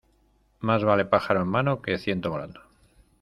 Más vale pájaro en mano, que ciento volando.